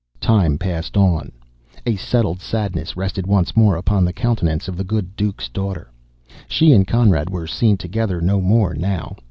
Time passed on. A settled sadness rested once more upon the countenance of the good Duke's daughter. She and Conrad were seen together no more now.